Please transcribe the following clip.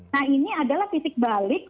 nah ini adalah titik balik